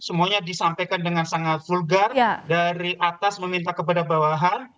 semuanya disampaikan dengan sangat vulgar dari atas meminta kepada bawahan